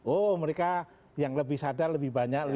oh mereka yang lebih sadar lebih banyak